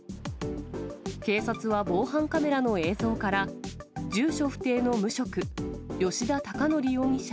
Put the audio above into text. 警察は防犯カメラの映像から、住所不定の無職、吉田崇宣容疑者